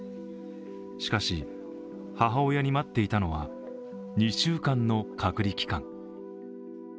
しかし、母親に待っていたのは２週間の隔離期間。